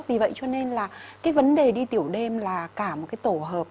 vì vậy cho nên là cái vấn đề đi tiểu đêm là cả một cái tổ hợp